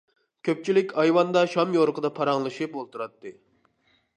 كۆپچىلىك ئايۋاندا شام يورۇقىدا پاراڭلىشىپ ئولتۇراتتى.